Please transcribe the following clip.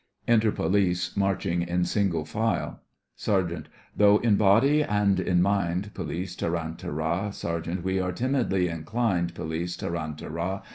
(Enter POLICE, marching in single file) SERGEANT: Though in body and in mind POLICE: Tarantara! tarantara! SERGEANT: We are timidly inclined, POLICE: Tarantara!